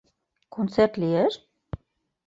Концерт лиеш?